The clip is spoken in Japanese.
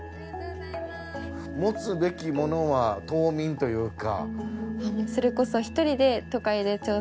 持つべきものは島民というか。